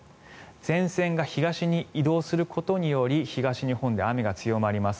前線が東に移動することにより東日本で雨が強まります。